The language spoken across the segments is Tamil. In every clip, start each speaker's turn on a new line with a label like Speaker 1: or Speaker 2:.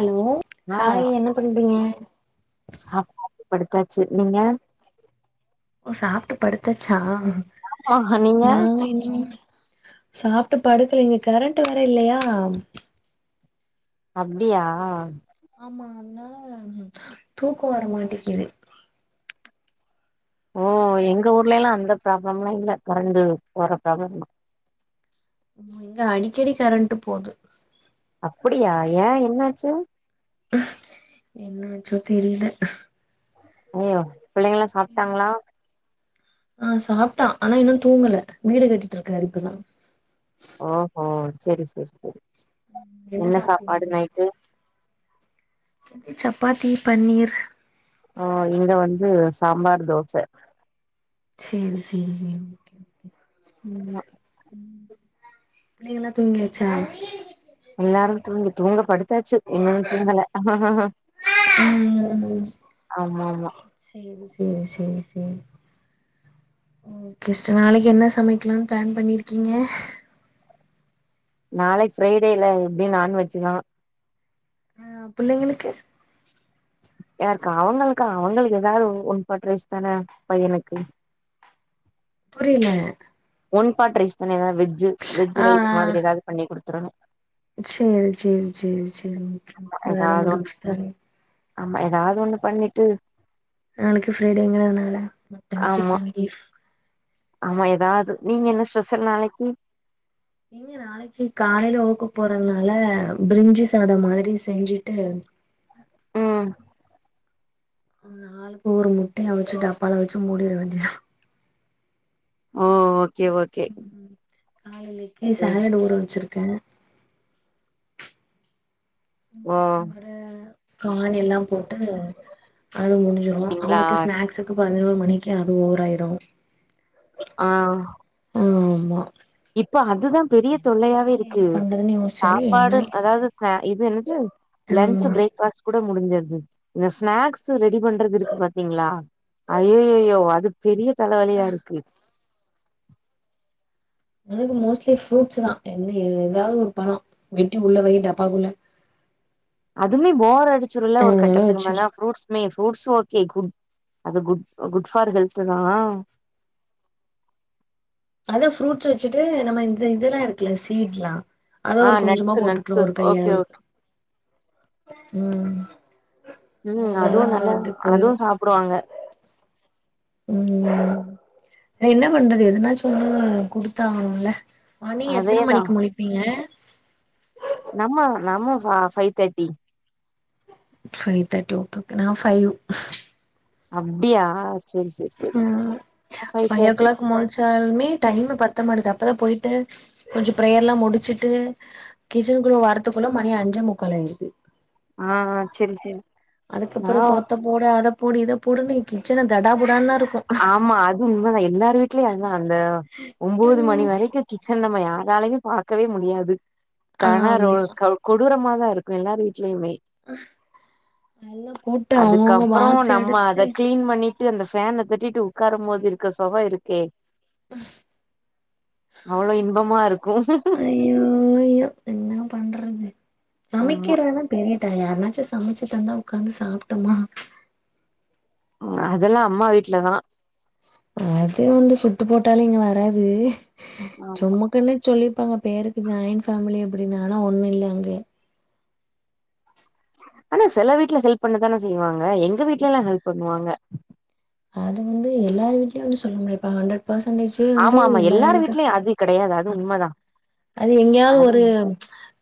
Speaker 1: அலோ ஹாய் என்ன பண்றீங்க
Speaker 2: சாப்னாச்சி படுத்தாச்சு நீங்க
Speaker 1: ஒ சாப்ட்டு படுத்தச்சா
Speaker 2: ஆ நீங்க
Speaker 1: நா இன்னு சாப்ட்டு படுக்ல இங்க கரண்ட் வேர இல்லயா
Speaker 2: அப்டியா
Speaker 1: ஆமா அத்னால தூக்கு வர மாட்டேங்கிது
Speaker 2: ஓ எங்க ஊர்ல எல்லா அந்த ப்ராப்ளம்லா இல்ல கரண்டு போர ப்ராப்ளம்லா
Speaker 1: அமா இங்க அடிக்கடி கரண்ட்டு போது
Speaker 2: அப்புடியா ஏ என்னாச்சு
Speaker 1: என்னாச்சோ தெரிய்ல
Speaker 2: ஐயோ பிள்ளைங்கல்லா சாப்ட்டாங்ளா
Speaker 1: ஆ சாப்ட்டா ஆனா இன்னு தூங்கல வீடு கட்டிட்டு இருக்காரு இப்ப தா
Speaker 2: ஓஹோ செரி செரி செரி என்ன சாப்பாடு நைட்டு
Speaker 1: இது சப்பாத்தி பன்னீர்
Speaker 2: ஓ இங்க வந்து சாம்பார் தோச
Speaker 1: சேரி சேரி சேரி ஓகே ஓகே
Speaker 2: ம் மா
Speaker 1: பிள்ளைங்கல்லா தூங்கியாச்சா
Speaker 2: எல்லாரு தூங்கி தூங்க படுத் தாச்சு இன்னனு தூங்கல ஆமா
Speaker 1: ம்
Speaker 2: ஆமா
Speaker 1: இவ்ள சேரி சேரி ஓகே ஸ் நாளக்கி என்ன சமைக்கிலான் ப்ளான் பண்ணிர்க்கீங்க
Speaker 2: நாளக் ஃப்ரை டே ல எப்டியு நான்வெஜ்ஜி தா
Speaker 1: அ புள்ளைங்களுக்கு
Speaker 2: யார்க்கு அவங்ள்க்கா அவங்கள்க்கு ஏதாது ஒ ஒன் பாட் ரைஸ் தான பையனுக்கு
Speaker 1: புரில
Speaker 2: ஒன் பாட் ரைஸ் தானே ஏதாது வெஜ்ஜு வெஜ்
Speaker 1: ஆ
Speaker 2: ரைஸ்
Speaker 1: ஆ
Speaker 2: மாதுரி ஏதாது பண்ணி குடுத்துரணு
Speaker 1: சேரி சேரி சேரி சேரி ஓகே வேல
Speaker 2: ஏதாவது ஒண்ணு
Speaker 1: முடிஞ்சு தானே
Speaker 2: ஆமா ஏதாது ஒன்னு பண்ணிட்டு
Speaker 1: நாளைக்கு ஃப்ரைடேங்கிறதுனால மட்டன்
Speaker 2: ஆமா
Speaker 1: சிக்கன் பீஃப்
Speaker 2: ஆமா ஏதாது நீங்க என்ன ஸ்பெஷல் நாளைக்கு
Speaker 1: இங்க நாளைக்கு காலைல ஒர்க்க்கு போறனால பிரிஞ்சி சாதோ மாதிரி செஞ்சுட்டு
Speaker 2: உம்
Speaker 1: ஆளுக்கு ஒரு முட்டய அவுச்சு டப்பால வச்சு மூடிட வேண்டிய தா
Speaker 2: ஓ ஓகே ஓகே
Speaker 1: காலைலைக்கு
Speaker 2: ம்
Speaker 1: சாலட் ஊற வச்சிருக்க
Speaker 2: ஓ
Speaker 1: கானெல்லா போட்டு அது முடிஞ்சுரு
Speaker 2: அப்டிங்களா
Speaker 1: அவனுக்கு ஸ்நாக்ஸுக்கு பதினோரு மணி க்கே அது ஓவராயிரு
Speaker 2: ஆ
Speaker 1: ஆமா ஆமா
Speaker 2: இப்ப அதுதா பெரிய
Speaker 1: என்ன
Speaker 2: தொல்லயாவே
Speaker 1: பண்றது என்ன
Speaker 2: இருக்கு
Speaker 1: பண்றதுன்னு யோசிச்சாலே என்ன
Speaker 2: சாப்பாடு அதாவது இது என்னது லன்ச்சு
Speaker 1: ஆமா
Speaker 2: பிரேக்ஃபாஸ்ட் கூ ட முடிஞ்சது இந்த ஸ்நாக்ஸ்ஸு ரெடி பண்றது இருக்கு பாத்தீங்களா ஐய்யய்யயோ அது பெரிய தலவலியா இருக்கு
Speaker 1: இவனுக்கு மோஸ்ட்லி ஃப்ரூட்ஸ் தா என்ன ஏதாது ஒரு பழோ வெட்டி உள்ள வை டப்பாக்குள்ள
Speaker 2: அதுமே போர் அடிச்சுரூல ஒரு
Speaker 1: அதனால
Speaker 2: கட்டத்துக்கு
Speaker 1: வச்சிரு
Speaker 2: மேல ஃப்ரூட்ஸ் ஃப்ரூட்ஸ் ஓகே குட் அது குட் குட் ஃபார் ஹெல்த்து தா
Speaker 1: அதா ஃப்ரூட்ஸ் வச்சுட்டு நம்ம இந்த இதெல்லா இருக்கே சீட்லா அத
Speaker 2: ஆ
Speaker 1: ஒரு கொஞ்சமா
Speaker 2: நட்ஸு
Speaker 1: போட்டுவுட்ருவே
Speaker 2: நட்ஸு
Speaker 1: ஒரு கை
Speaker 2: ஓகே
Speaker 1: அளவுக்கு
Speaker 2: ஓகே
Speaker 1: உம்
Speaker 2: உம் அதுவு நல்ல அதுவு சாப்டுவாங்க
Speaker 1: உம் என்ன பண்றது எதுனா சும்மா குடுத்தாகணு‌ல மணி எத்தன
Speaker 2: அதேதா
Speaker 1: மணிக்கு முழிப்பீங்க
Speaker 2: நம்ம நம்ம five thirty
Speaker 1: five thirty okay okay நா ஃபைவ்
Speaker 2: அப்டியா செரி செரி செரி
Speaker 1: ம் ஃபைவ் ஓ கிளாக் முழிச்சாலுமே டைமு பத்த மாட்டேது பதா போய்ட்டு கொஞ்சோ ப்ரேயரெல்லா முடிச்சிட்டு கிச்சனுக்குள்ள வரதுக்குள்ள மணி அஞ்சே முக்கால் ஆய் து
Speaker 2: ஆ ஹா சேரி சேரி
Speaker 1: அதுக்கப்றோ சோத்த போடு அத போடு இத போடுனு கிச்சனே தடா புடா தா
Speaker 2: ஆமா அது உண்மதா எல்லார் வீட்லயு அதா‌அந்த ஒம்போது மணி வரைக்கூ கிச்சன் நம்ம அதாலையும் பார்கக்கவே முடியாது கண ரோ
Speaker 1: ஆமா
Speaker 2: கோ கொடூரமா தா இருக்கும் எல்லாரு வீட் ட்லாயுமே
Speaker 1: எல்லா போட்டு அவங்கவுங்க
Speaker 2: அதுக்கப்ரோ
Speaker 1: பாக்ஸ்
Speaker 2: நம்ம அத
Speaker 1: எடுத்து
Speaker 2: கிளீன் பண்ணி ட்டு அந்த ஃபேன தட்டிட்டு உட்காரும் போது இருக்குற சுக இருக்கே
Speaker 1: உஹம் [unintelligible]
Speaker 2: அவ்லோ இன்பமா இருக்கும்
Speaker 1: ஐயோ சமைக்கிறதா பெரியட்டா யாருனாச்சும் சமைச்சு தந்தா உகாந்து சாப்பிட்டோமா
Speaker 2: உம் அதெல்லா அம்மா வீட்டு்லதான்
Speaker 1: அது வந்து சுட்டு போட்டாலும் இங்க வராது சும்மக்குன்னு சொல்லி பங்க பேருக்கு ஜாயின்் ஃபமிலி அப்படின்னனா ஒன்னு இல்ல அங்க
Speaker 2: ஆனா சில வீட்டுல ஹெல்ப் பண்ணதான செய்வாங்க எங்க வீட்டல எல்லா ஹெல்ப் பண்ணுவாங்க
Speaker 1: அது வந்து எல்லாரு வீட்டுலயும் சொல்ல முடியாது இப்ப ஹண்ட்ரட் பர்சன்டேஜ் வந்து
Speaker 2: ஆமா ஆமா எல்லார்
Speaker 1: எல்லாரதா
Speaker 2: வீட்லயு அது கெடையாது அது உண்மதா
Speaker 1: அது எங்கேயாவது
Speaker 2: அது
Speaker 1: ஒரு
Speaker 2: உண்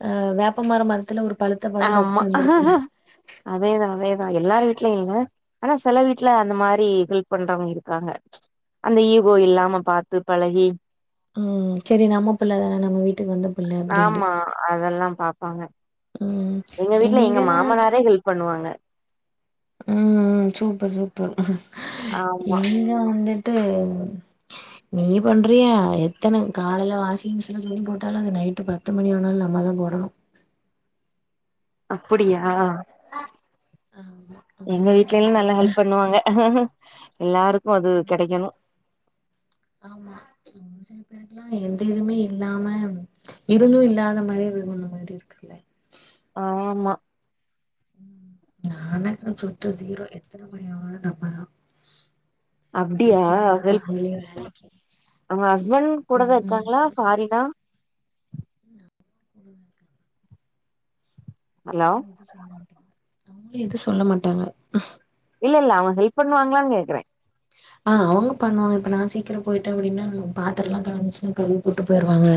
Speaker 1: அ வேப்ப மர மரத்துல ஒரு பழுத்த பழோ
Speaker 2: ஆமா
Speaker 1: தப்பிச்சு வந்திருக்குல்ல
Speaker 2: அதேதா அதேதா எல்லாரு வீட்டுலயும் இல்ல ஆனா சில வீட்டு்ல அந்த மாரி ஹெல்ப் பண்றவங்க இருக்காங்க அந்த ஈகோ இல்லாம பாத்து பழகி
Speaker 1: [inaudible] ம் செரி நம்ம பிள்ளதான நம்ம வீட்டுக்கு வந்த பிள்ள அப்டின்ட்டு
Speaker 2: ஆமா அதெல்லா பாப்பாங்க
Speaker 1: ம்
Speaker 2: எங்க வீட்ல எங்க
Speaker 1: எங்கெலா
Speaker 2: மாமனாரே ஹெல்ப் பண்ணுவாங்க
Speaker 1: ம் சூப்பர் சூப்பர்
Speaker 2: ஆமா
Speaker 1: இங்க வந்துட்டு நீ பண்றியா எத்தன காலைல வாசிங் மிஷின்ல்ல துணி போட்டாலு அது நைட்டு பத்து மணி ஆனாலு நம்மதா போடணு
Speaker 2: அப்டியா
Speaker 1: ஆமா அந்த
Speaker 2: எங்க
Speaker 1: மாரி
Speaker 2: வீட்லெல்லா நல்லா ஹெல்ப் பண்ணுவாங்க எல்லாருக்கு அது கெடைக்கணு
Speaker 1: ஆமா [inaudible] எந்த இதுமே இல்லாம இருந்து இல்லாத மாரி [unintelligible] மாரி இருக்கல்ல
Speaker 2: ஆமா
Speaker 1: [unintelligible] சுத்த ஜீரோ எத்தன மணி ஆனாலு நம்மதா சரி
Speaker 2: அப்டியா
Speaker 1: போனு காலைலயே வேலைக்கு
Speaker 2: அவுங்க ஹஸ்பண்ட் கூடதா
Speaker 1: பண்ணு
Speaker 2: இருக்காங்களா ஃபாரின்னா
Speaker 1: [unintelligible]
Speaker 2: ஹலோ
Speaker 1: அவங்களு எது சொல்ல மாட்டாங்க
Speaker 2: இல்லல்ல அவுங்க ஹெல்ப் பண்ணுவாங்களான்னு கேக்குற
Speaker 1: ஆ அவுங்க பண்ணுவாங்க இப்ப நா சீக்கிரம் போயிட்ட அப்டின்னா பாத்திரோ எல்லா கடந்துச்சுன்னா கழுவிப்போட்டு போயிடுவாங்க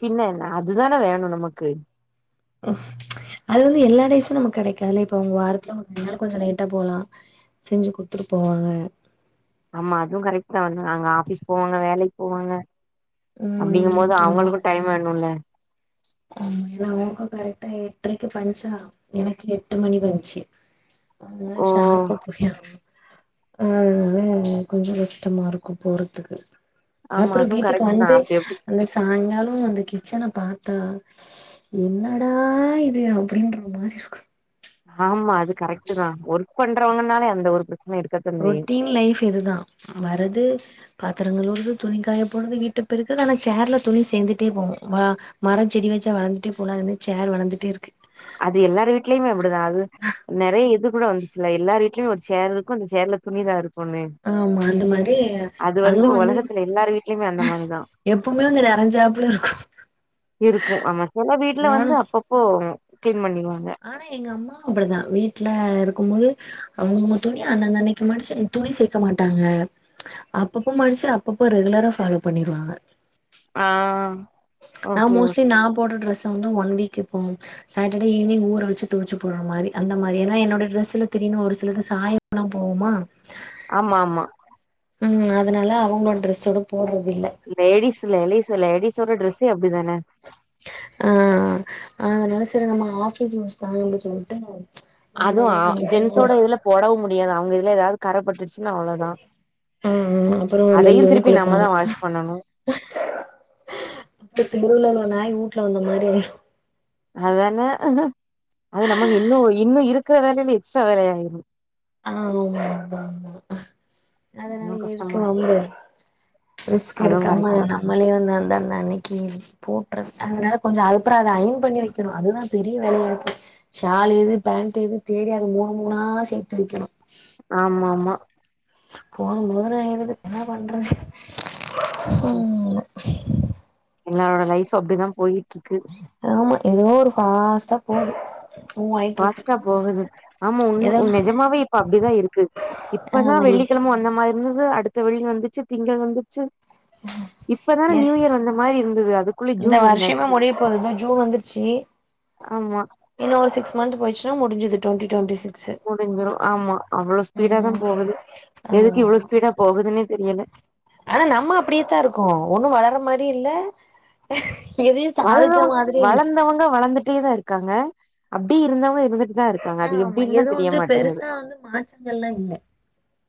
Speaker 2: பின்ன என்ன அதுதான வேணு நமக்கு
Speaker 1: ஆஹ [unintelligible] அது வந்து எல்லா டேஸும் நமக்கு கெடைக்காதல்ல இப்ப அவுங்க வாரத்துல ஒரு நாளு கொஞ்சோ லேட்டா போலா செஞ்சு குடுத்துட்டு போவாங்க
Speaker 2: ஆமா அதுவு கரெக்ட்தா நாங்க ஆபீஸ் போவாங்க வேலைக்கு போவாங்க
Speaker 1: ம்
Speaker 2: அப்டிங்கும்போது
Speaker 1: அதா
Speaker 2: அவுங்களுக்கு டைம் வேணுல்ல
Speaker 1: ஆமா எல்லா ஒர்க்கு கரெக்ட்டா எட்டரைக்கு பஞ்ச்சா எனக்கு எட்டு மணி பஞ்ச்சு அதனால
Speaker 2: ஓ
Speaker 1: ஷார்ப்பா போய் ஆகணு ஆ ஆன கொஞ்சோ கஷ்டமா இருக்கு போறதுக்கு
Speaker 2: ஆமா
Speaker 1: அப்றோ
Speaker 2: அதுவு
Speaker 1: வீட்டுக்கு
Speaker 2: கரெக்ட் தா
Speaker 1: வந்து
Speaker 2: அப்டி எப்டி
Speaker 1: அந்த சாயங்காலோ அந்த கிச்சன பா த்தா என்னடா இது அப்டின்ற மாரி இருக்கு
Speaker 2: ஆமா அது கரெக்ட்டுதா ஒர்க் பண்றவங்கனாலே அதுல ஒரு பிரச்சன இருக்கத்தா செய்யு
Speaker 1: ரொட்டீன் லைஃப் இதுதா வரது பா த்திரங்கள் கழுவறது துணிகாய போடறது வீட்ட பெருக்கறது ஆனா சேர்ல துணி சேர்ந்துட்டே போவு மரோ செடி வெச்சா வளர்ந்துட்டே போவுல்ல அது மாரி சேர் வளர்ந்துட்டே இருக்கு
Speaker 2: அது எல்லார் வீட்லயுமே அப்டிதா அது நெறயா இது கூட வந்துச்சுல்ல எல்லார் வீட்லயுமே ஒரு சேர் இருக்கு அந்த சேர் அதுல துணிதா இருக்குனு
Speaker 1: ஆமா அந்த மாரி
Speaker 2: அது வந்து
Speaker 1: அதுவு
Speaker 2: ஒலகத்துல எல்லார் வீட்லயுமே அந்த மாரிதா
Speaker 1: எப்புமே அந்த நெறஞ்சாப்புல இருக்கு
Speaker 2: இருக்கு ஆனா செல வீட்ல
Speaker 1: நானு
Speaker 2: வந்து அப்பப்போ ம்
Speaker 1: ஆனா எங்க அம்மா அப்டிதா வீட் ல இருக்கும்போது அவுங்க அவுங்க துணி அந்தந்தன்னைக்கு மடிச்சு துணி சேக்க மாட்டாங்க அப்பப்போ மடிச்சு அப்பப்போ ரெகுலரா ஃபாலோ பண்ணிருவாங்க
Speaker 2: ஆ
Speaker 1: நா
Speaker 2: ஓகே,
Speaker 1: மோஸ்ட்லி
Speaker 2: ஓகே.
Speaker 1: நா போடுற ட்ரெஸ் வந்து ஒன் வீக் இப்போ சாட்டர்டே ஈவ்னிங் ஊற வெச்சு தொவச்சு போடுற மாரி அந்த மாரி ஏனா என்னோட டிரெஸ்ல தெரி இன்னு ஒரு சிலது சாயமெல்லா போகுமா
Speaker 2: ஆமாமா
Speaker 1: ம் அதனால அவுங்களோட ட்ரெஸ்ஸோட போடறது
Speaker 2: லேடீஸ் லேலீஸ் லேடிஸ்ஸோட டிரெஸ்ஸே அப்டிதான
Speaker 1: ஆ அதனால செரி நம்ம ஆபீஸ் யூஸ் தான அப்டின்னு சொல்ட்டு அந்த
Speaker 2: அதுவு ஆ
Speaker 1: அன்னைக்கு மட்டு
Speaker 2: ஜென்ஸோட இதுல போடவு முடியாது அவுங்க இதுல எதாவது கறப்பட்டு சுனா அவ்ளோதா
Speaker 1: ஆ அப்புறோ
Speaker 2: அதயு
Speaker 1: லொல்லுன்னு
Speaker 2: திருப்பி நம்மதா வாஷ் பண்ணணு
Speaker 1: அப்ப தெருவுல உள்ள நாய் வுட்டுல வந்த மாரி
Speaker 2: அதான அது நமக்கு இன்னு இன்னு இருக்கற வேலேல எக்ஸ்ட்ரா வேலயாய்ரு
Speaker 1: ஆ ஆமா ஆமா ஆமா அதனால
Speaker 2: இன்னும்
Speaker 1: எதுக்கு
Speaker 2: கஷ்டமா
Speaker 1: வம்பு ரிஸ்க்
Speaker 2: அதுவும்
Speaker 1: எடுக்காம
Speaker 2: கரெக்ட்.
Speaker 1: நம்மளே வந்தந் அன்னிக்கி போட்டுறு அதனால கொஞ்சோ அதுப்றோ அத அயன் பண்ணி வைக்கணு அதுதா பெரிய வேலயா இருக்கு ஷால் எது பேண்ட் எது தேடி அது மூணு மூணா சேத்து வெக்கணு
Speaker 2: ஆமா ஆமா
Speaker 1: போதுபோதுனு ஆய்டுது என்ன பண்றது ம்
Speaker 2: எல்லாரோட லைஃப் அப்டிதா போய்ட்ருக்கு
Speaker 1: ஆமா ஏதோ ஒரு ஃபாஸ்ட்டா போது மூவ் ஆயிட்ருக்கு
Speaker 2: ஃபாஸ்டா போகுது ஆமா உண்
Speaker 1: ஏதோ
Speaker 2: உ நெஜமாவே இப்ப அப்டிதா இருக்கு இப்பதா
Speaker 1: ஆமா ஏ
Speaker 2: வெள்ளிக்கிழம வந்த மாரி இருந்தது அடுத்த வெள்ளி வந்துச்சு திங்கள் வந்துச்சு
Speaker 1: ம்
Speaker 2: இப்பதான நியூ யர் வந்த மாரி இருந்தது அதுக்குள்ள
Speaker 1: இந்த
Speaker 2: ஜூன்
Speaker 1: வருஷமே
Speaker 2: வந்தாச்சு
Speaker 1: முடிய போது இதோ ஜூன் வந்துருச்சு
Speaker 2: ஆமா
Speaker 1: இன்னு ஒரு சிக்ஸ் மந்த் போய்சுனா முடிஞ்சது டொண்டி டொண்டி சிக்
Speaker 2: முடிஞ்சிரு ஆமா அவ்ளோ ஸ்பீடா தா
Speaker 1: ம்
Speaker 2: போகுது எதுக்கு இவ்ளோ
Speaker 1: ஆமா
Speaker 2: ஸ்பீடா போகுதுன்னே தெரியல
Speaker 1: ஆனா நம்ம அப்டியேத்தா இருக்கோ ஒன்னு வளர மாரி இல்ல எதையு சாதிச்ச
Speaker 2: வளர்ந்தவங்
Speaker 1: மாதிரியு இல்ல
Speaker 2: வளர்ந்தவங்க வளர்ந்துட்டே தா இருக்காங்க அப்டி இருந்தவங்க இருந்து இதா இருக்காங்க அது
Speaker 1: ஆமா
Speaker 2: எப்டின் தா
Speaker 1: எதுவு
Speaker 2: தெரிய
Speaker 1: வந்து
Speaker 2: மாட்டேங்குது
Speaker 1: பெருசா வந்து மாற்றங்கள்லா இல்ல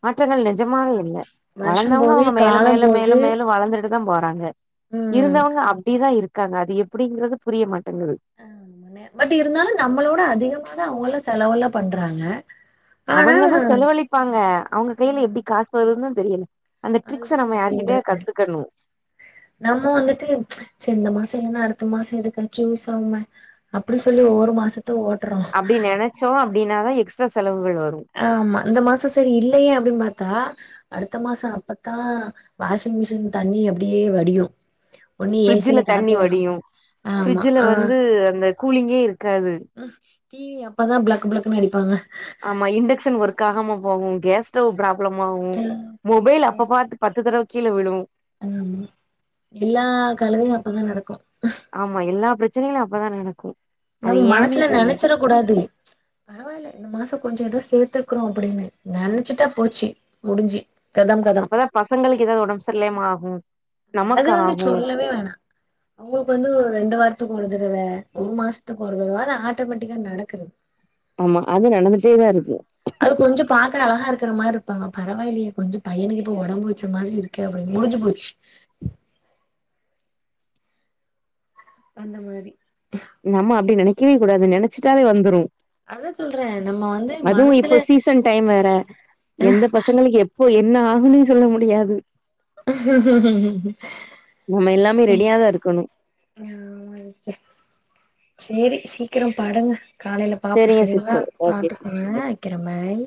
Speaker 2: மாற்றங்கள் நெஜமாக இல்ல
Speaker 1: வருஷம்
Speaker 2: வளந்தவ்ங்க
Speaker 1: போது
Speaker 2: அவுங்க மேல
Speaker 1: காலம்
Speaker 2: மேல
Speaker 1: போது
Speaker 2: மேல மேல வளந்து ட்டுதா போறாங்க
Speaker 1: ம்
Speaker 2: இருந்தவ்ங்க அப்டிதா இருக்காங்க அது எப்டிங்கிறது புரிய மாட்
Speaker 1: ஆ நேர் பட் இருந்தாலு நம்மளோட அதிகமாதா அவுங்கல்லா செலவெல்லா பண்றாங்க ஆனா
Speaker 2: அவுங்கதா செலவழிப்பாங்க அவுங்க கையில
Speaker 1: ம்
Speaker 2: எப்டி காசு வருதுனுதா தெரியல அந்த
Speaker 1: அதுதா
Speaker 2: ட்ரிக்ஸ நம்ம யார்கிட்டயா
Speaker 1: எப்டின்றத் தெர்ல
Speaker 2: கத்துக்கணு
Speaker 1: நம்மோ வந்துட்டு சே இந்த மாசோ இல்லனா அடுத் த்து மாசோ எதுக்காச்சு யூஸ் ஆவுமே அப்டி சொல்லி ஒரு மாச த்த ஓட்றோ
Speaker 2: அப்டி நெனைச்சோ அப்டின்னாதா எக்ஸ்ட்ரா செலவுகள் வரு
Speaker 1: ஆமா இந்த மாசோ செரி இல்லயே அப்டின் பாத் தா அடுத்த மாசோ அப்பத்தா வாஷிங் மிஷின் தண்ணி அப்டியே வடியு ஒன்னு ஏ
Speaker 2: ஃப்ரிட்ஜில
Speaker 1: சில
Speaker 2: தண்ணி
Speaker 1: காத்து வராம
Speaker 2: வடியு
Speaker 1: ஆமா
Speaker 2: ஃப்ரிட்ஜில
Speaker 1: ஆ
Speaker 2: வந்து அந்த கூலிங்கே இருக்காது
Speaker 1: டிவி அப்ப தா ப்ளக் ப்ளக்னு அடிப்பாங்க
Speaker 2: ஆமா இண்டெக்ஷன் ஒர்க் ஆகாம போகு கேஸ் ஸ்டவ் ஃபிராப் லம்மாவு மொபைல் அப்ப பாத்து பத்து தடவ கீழ விழு
Speaker 1: ஆம்மா எல்லா கழுதயு அப்பதா நடக்கு
Speaker 2: ப்ரச்சன அப்பதா நடக்கும்
Speaker 1: நம்ம மனசுல நெனச்சிர கூடாது பரவால்ல இந்த மாசோ கொஞ்சோ ஏதோ சேத்து வெக்கணு அப்படின்னு நெனச்சுட்டா போச்சு முடிஞ்சு கதம் கதம்
Speaker 2: அப்பதா பசங்ளுக் ஏதா உடம்செரிலயமா ஆகு
Speaker 1: அது
Speaker 2: நமக்கு
Speaker 1: வந்து
Speaker 2: ஆகு
Speaker 1: சொல்லவே வேணா அவுங்ளுக்கு வந்து ஒரு ரெண்டு வாரத்துக்கு ஒருதடவ ஒரு மாசத்துக்கு ஒருதடவ அது ஆட்டோமேட்டிக்கா நடக்கறது
Speaker 2: ஆமா அது நடந்துட்டேதா இருக்கு
Speaker 1: அது கொஞ்சோ பாக்குற அழகா இருக்குற மார்ருப்பாங்க பரவாயில்லயே கொஞ்சோ பையனுக்கிப்போ ஒடம்பு வெச்ச மாதிரி இருக்கே அப்டினு முடிஞ்சுபோச்சு அந்த மாரி
Speaker 2: நம்ம அப்டி நெனைக்கவே கூடாது நெனச்சுட்டாலே வந்துரும்
Speaker 1: அதா சொல்றே நம்ம வந்து
Speaker 2: அதுவு
Speaker 1: மனசுல
Speaker 2: இப்ப சீசன் டைம் வேற எந்த பசங்ளுக்கு எப் போ என்ன ஆகுனே சொல்ல முடியாது நம்ம எல்லாமே ரெடியா தான் இருக்கணும்
Speaker 1: ஆமா சிஸ்டர் சேரி சீக்கிரம் படுங்க காலையில பாப்போம்
Speaker 2: சரிங்க
Speaker 1: சரிங்களா
Speaker 2: சிஸ்டர் ஓகே
Speaker 1: பாத்துக்கோங்க
Speaker 2: சிஸ்டர்
Speaker 1: வைக்கிரே பாய்